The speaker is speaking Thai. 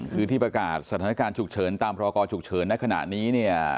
คือที่ประกาศสถานการณ์ฉุกเฉินตามพรกรฉุกเฉินในขณะนี้เนี่ย